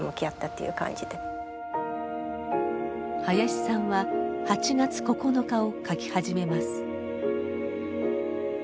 林さんは「８月９日」を書き始めます。